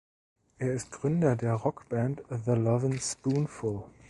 Er ist Gründer der Rockband The Lovin’ Spoonful.